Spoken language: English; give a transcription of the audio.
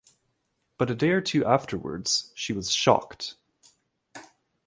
But a day or two afterwards she was shocked.